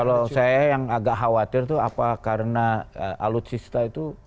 kalau saya yang agak khawatir itu apa karena alutsista itu